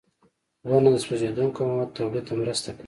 • ونه د سوځېدونکو موادو تولید ته مرسته کوي.